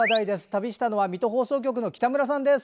旅したのは水戸放送局の北村さんです。